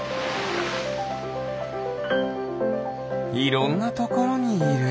いろんなところにいる。